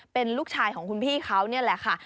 เป็นลูกชายของคุณพี่เขานี่แหละค่ะ